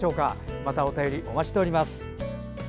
またお便りお待ちしております。